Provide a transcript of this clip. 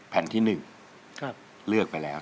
แผ่นที่๑เลือกไปแล้ว